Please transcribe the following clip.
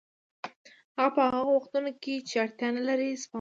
هغه په هغو وختونو کې چې اړتیا نلري سپما کوي